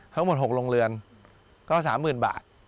ทั้งหมด๖โรงเรือนก็๓๐๐๐บาท